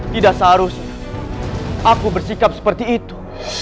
tidak seharusnya aku bersikap seperti itu